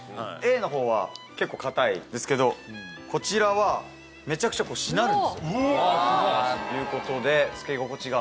Ａのほうは結構硬いんですけどこちらはめちゃくちゃしなるんですよ。ということで。